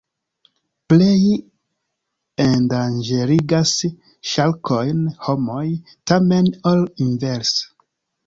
Plej endanĝerigas ŝarkojn homoj, tamen, ol inverse.